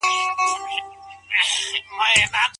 هغې ته د بدو کړنو په وړاندې د صبر توصيه مه کوئ.